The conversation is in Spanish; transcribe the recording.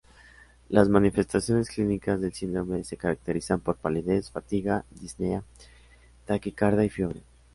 Las manifestaciones clínicas del síndrome se caracterizan por palidez, fatiga, disnea, taquicardia y fiebre.